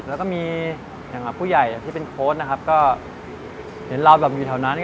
แล้วก็มีอย่างผู้ใหญ่ที่เป็นโค้ดนะครับก็เห็นเราแบบอยู่แถวนั้น